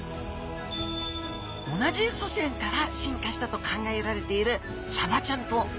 同じ祖先から進化したと考えられているサバちゃんとマグロちゃん。